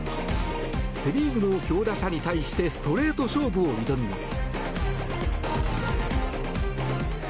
セ・リーグの強打者に対してストレート勝負を挑みます。